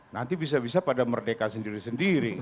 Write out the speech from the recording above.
nanti bisa bisa pada merdeka sendiri sendiri